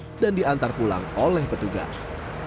kemudian diantar pulang oleh petugas